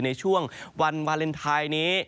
ในช่วงวันวาเลนไทยนี้